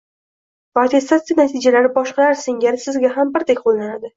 va attestatsiya natijalari boshqalar singari sizga ham birdek qo‘llaniladi.